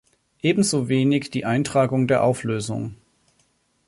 Ebenso wenig die Eintragung der Auflösung.